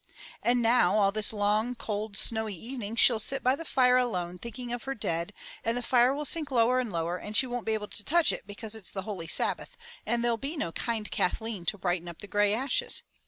"And now all this long, cold, snowy evening she'll sit by the fire alone thinking of her dead, and the fire will sink lower and lower, and she won't be able to touch it because it's the holy Sabbath, and there'll be no kind Kathleen to brighten up the grey ashes.